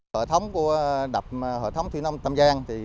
hệ thống của đập hệ thống thủy nông tam giang